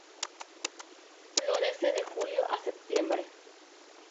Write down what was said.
Florece de julio a septiembre.